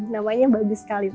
namanya bagus sekali pak